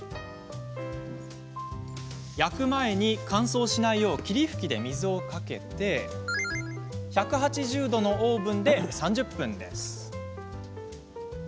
焼く前に乾燥しないよう霧吹きで水をかけて１８０度のオーブンで３０分。